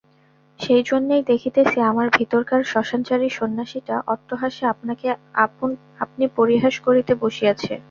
সেইজন্যেই দেখিতেছি, আমার ভিতরকার শ্মশানচারী সন্ন্যাসীটা অট্টহাস্যে আপনাকে আপনি পরিহাস করিতে বসিয়াছে।